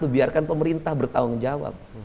biarkan pemerintah bertanggung jawab